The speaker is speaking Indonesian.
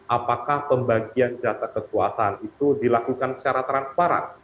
apakah pembagian jasa kekuasaan itu dilakukan secara transparan